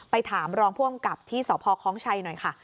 ถามรองผู้อำกับที่สพคล้องชัยหน่อยค่ะ